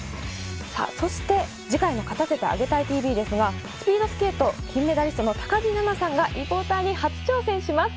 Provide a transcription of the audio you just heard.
そして、次回の『勝たせてあげたいＴＶ』はスピードスケート金メダリストの高木菜那さんがリポーターに初挑戦します。